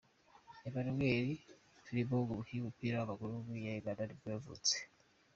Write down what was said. Emmanuel Frimpong, umukinnyi w’umupira w’amaguru w’umunyegana nibwo yavutse.